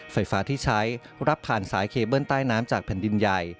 ไฟฟ้าที่ใช้รับผ่านสายเคเบิ้ลใต้น้ำจากแผ่นดินใหญ่